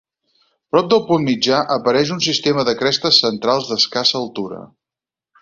Prop del punt mitjà apareix un sistema de crestes centrals d'escassa altura.